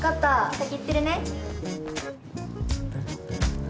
先行ってるね。